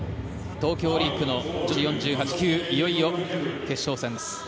東京オリンピックの女子４８キロ級いよいよ決勝戦。